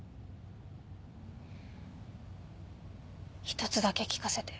一つだけ聞かせて。